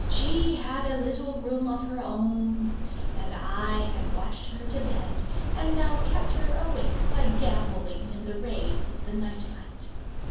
She had a little room of her own; and I had watched her to bed, and now kept her awake by gambolling in the rays of the night light.